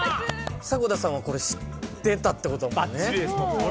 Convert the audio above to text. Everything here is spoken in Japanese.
迫田さんはこれ知ってたってことだもんね。